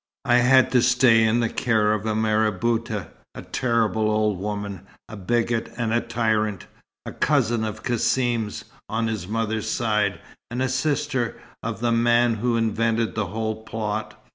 I had to stay in the care of a marabouta, a terrible old woman, a bigot and a tyrant, a cousin of Cassim's, on his mother's side, and a sister of the man who invented the whole plot.